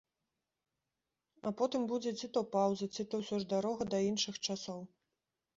А потым будзе ці то паўза, ці то ўсё ж дарога да іншых часоў.